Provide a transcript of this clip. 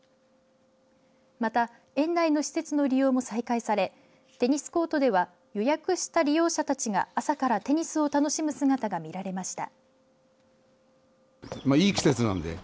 また園内の施設の利用も再開されテニスコートでは予約した利用者たちが朝からテニスを楽しむ姿が見られました。